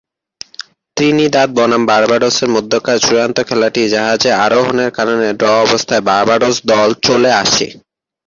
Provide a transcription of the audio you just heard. Trinidad বনাম বার্বাডোসের মধ্যকার চূড়ান্ত খেলাটি জাহাজে আরোহণের কারণে ড্র অবস্থায় বার্বাডোস দল চলে আসে।